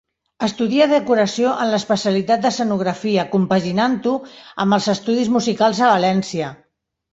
Estudia decoració en l'especialitat d'escenografia, compaginant-ho amb els estudis musicals a València.